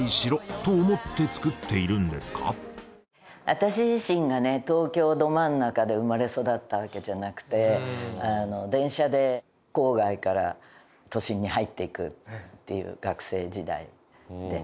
私自身がね東京ど真ん中で生まれ育ったわけじゃなくてあの電車で郊外から都心に入っていくっていう学生時代で。